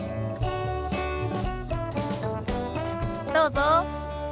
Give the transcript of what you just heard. どうぞ。